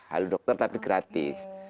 halu dokter tapi gratis